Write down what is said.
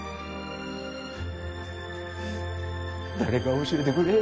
誰か教えてくれよ。